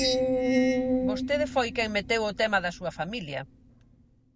Vostede foi quen meteu o tema da súa familia.